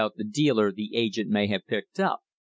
the dealer the agent may have picked up.